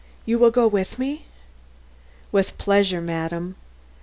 You will go with me?" "With pleasure, madam."